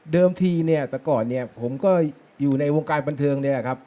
ทีเนี่ยแต่ก่อนเนี่ยผมก็อยู่ในวงการบันเทิงเนี่ยครับ